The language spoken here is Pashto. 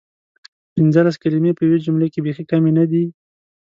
پنځلس کلمې په یوې جملې کې بیخې کمې ندي؟!